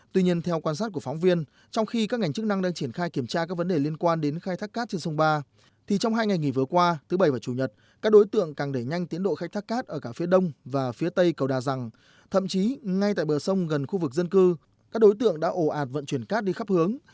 tuy nhiên theo quan sát của phóng viên trong khi các ngành chức năng đang triển khai kiểm tra các vấn đề liên quan đến khai thác cát trên sông ba thì trong hai ngày nghỉ vừa qua thứ bảy và chủ nhật các đối tượng càng đẩy nhanh tiến độ khai thác cát ở cả phía đông và phía tây cầu đà rằng thậm chí ngay tại bờ sông gần khu vực dân cư các đối tượng đã ổ ạt vận chuyển cát đi khắp hướng